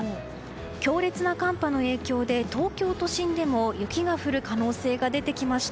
強烈な寒波の影響で東京都心でも雪が降る可能性が出てきました。